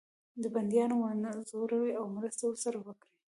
بندیان ونه زوروي او مرسته ورسره وکړي.